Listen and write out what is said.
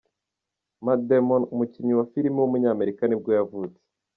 Matt Damon, umukinnyi wa film w’umunyamerika nibwo yavutse.